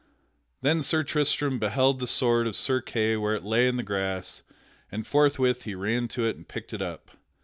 Then Sir Tristram beheld the sword of Sir Kay where it lay in the grass and forthwith he ran to it and picked it up.